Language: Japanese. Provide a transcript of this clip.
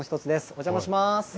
お邪魔します。